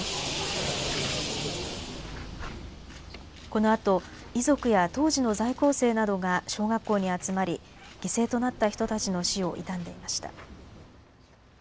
このあと遺族や当時の在校生などが小学校に集まり、犠牲となった人たちの死を悼んでいました。